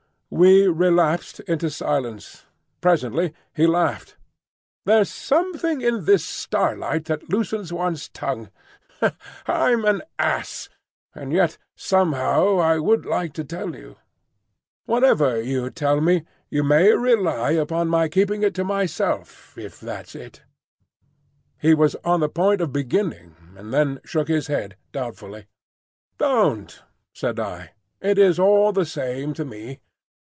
We relapsed into silence. Presently he laughed. "There's something in this starlight that loosens one's tongue. I'm an ass, and yet somehow I would like to tell you." "Whatever you tell me, you may rely upon my keeping to myself—if that's it." He was on the point of beginning, and then shook his head, doubtfully. "Don't," said I. "It is all the same to me.